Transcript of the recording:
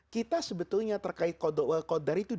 kita sebetulnya terkait qodoh wal qodar itu